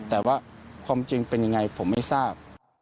แต่ว่าความจริงเป็นยังไงผมไม่ทราบ